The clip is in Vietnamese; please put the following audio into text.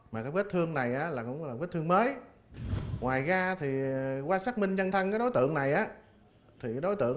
mà cái vết thương này là cũng là vết thương của người dân